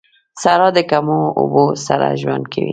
صحرا د کمو اوبو سره ژوند کوي